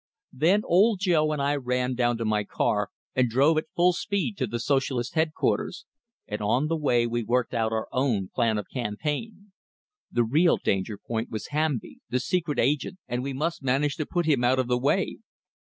Then Old Joe and I ran down to my car, and drove at full speed to the Socialist headquarters; and on the way we worked out our own plan of campaign. The real danger point was Hamby, the secret agent, and we must manage to put him out of the way.